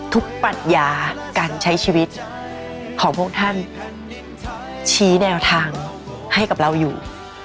ปัญญาการใช้ชีวิตของพวกท่านชี้แนวทางให้กับเราอยู่